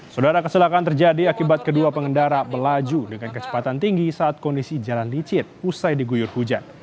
saudara kecelakaan terjadi akibat kedua pengendara melaju dengan kecepatan tinggi saat kondisi jalan licin usai diguyur hujan